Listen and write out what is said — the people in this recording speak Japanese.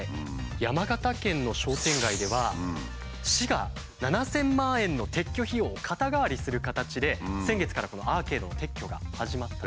山形県の商店街では市が７，０００万円の撤去費用を肩代わりする形で先月からアーケードの撤去が始まった。